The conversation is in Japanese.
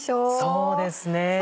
そうですね。